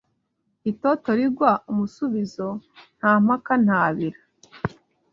Itoto rigwa umusubizo Nta mpaka ntabira